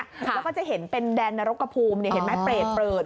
แล้วก็จะเห็นเป็นแดนนรกกระภูมิเห็นไหมเปรตเปิด